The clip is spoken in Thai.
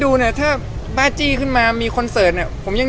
รู้ว่าจะได้ร้อยดีว้าง